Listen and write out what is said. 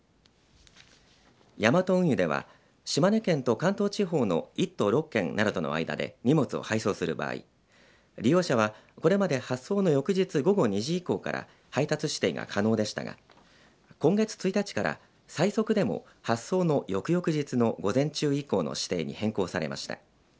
ヤマト運輸では島根県と関東地方の１都６県などとの間で荷物を配送する場合利用者はこれまで発送の翌日午後２時以降から配達指定が可能でしたが今月１日から最速でも発送の翌々日の午前中以降の指定に変更されました。